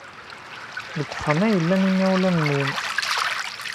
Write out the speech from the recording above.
Deg uxxam ay llan yimawlan-nwent?